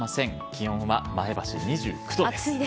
気温は前橋、２９度です。